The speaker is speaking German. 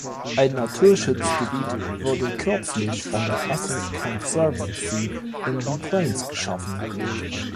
Ein Naturschutzgebiet wurde kürzlich von der Athens Conservancy in The Plains geschaffen.